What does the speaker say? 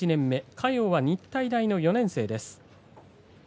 嘉陽は日体大の４年生です。